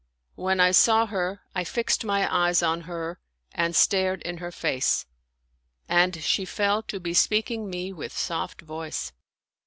When I saw her, I fixed my eyes on her and stared in her face ; and she fell to bespeaking me with soft voice.